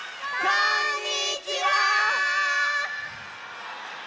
こんにちは。